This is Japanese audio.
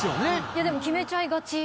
いやでも決めちゃいがち。